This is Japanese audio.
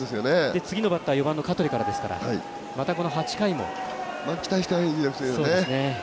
次のバッター４番の香取からですから期待したいですよね。